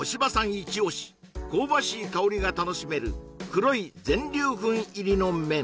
一押し香ばしい香りが楽しめる黒い全粒粉入りの麺